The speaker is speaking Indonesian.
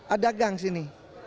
ada gang di sini